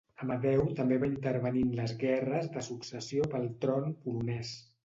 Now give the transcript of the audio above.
Amadeu també va intervenir en les guerres de successió pel tron polonès.